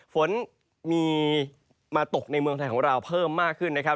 ฝนมีมาตกในเมืองไทยของเราเพิ่มมากขึ้นนะครับ